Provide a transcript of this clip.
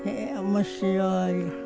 面白い。